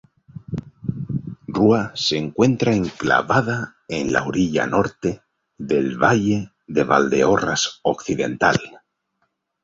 Rúa se encuentra enclavada en la orilla norte del Valle de Valdeorras occidental.